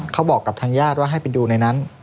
เขาบอกกับทางญาติว่าให้ไปดูในนั้น